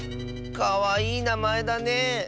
かわいいなまえだね。